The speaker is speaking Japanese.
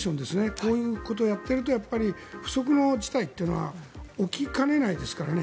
こういうことをやっていると不測の事態というのは起きかねないですからね。